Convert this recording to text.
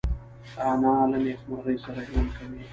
انا له نیکمرغۍ سره ژوند کوي